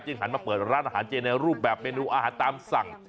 หันมาเปิดร้านอาหารเจในรูปแบบเมนูอาหารตามสั่ง